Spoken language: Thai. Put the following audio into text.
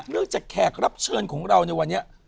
เรื่องจากแขกรับเชิญของเราเนี่ยวันนี้